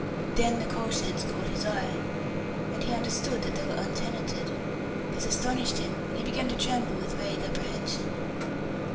Then the coal sheds caught his eye, and he understood that they were untenanted. This astonished him, and he began to tremble with vague apprehension.